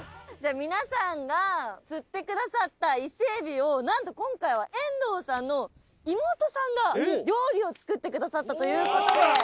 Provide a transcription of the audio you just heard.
皆さんが釣ってくださった伊勢えびを何と今回は遠藤さんの妹さんが料理を作ってくださったということで。